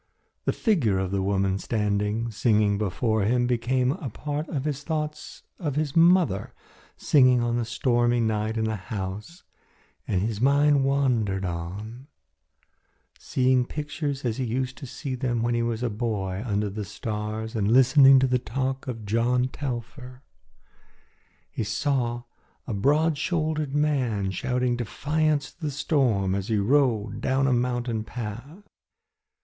The figure of the woman standing singing before him became a part of his thoughts of his mother singing on the stormy night in the house and his mind wandered on, seeing pictures as he used to see them when a boy walking under the stars and listening to the talk of John Telfer. He saw a broad shouldered man shouting defiance to the storm as he rode down a mountain path.